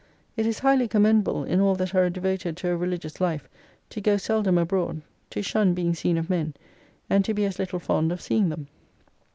It is highly commendable in all that are devoted to a religious life to go seldom abroad, to shun * being seen of men, and to be as little fond of seeing them.